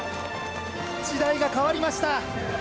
時代が変わりました。